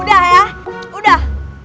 udah ya udah